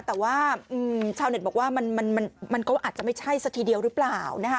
แต่ว่าชาวเน็ตบอกว่ามันก็อาจจะไม่ใช่ซะทีเดียวหรือเปล่า